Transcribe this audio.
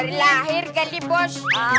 dari lahir ganti bos